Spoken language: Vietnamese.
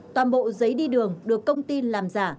toàn bộ giấy đi đường được công ty làm giả